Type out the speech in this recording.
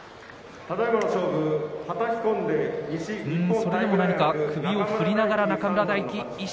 それでも何か首を振りながら中村泰輝。